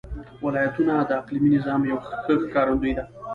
ولایتونه د اقلیمي نظام یو ښه ښکارندوی دی.